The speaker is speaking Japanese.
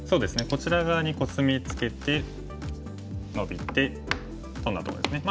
こちら側にコスミツケてノビてトンだところですね。